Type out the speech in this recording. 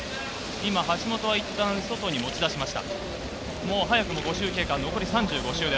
今、橋本はいったん外に持ち出しました。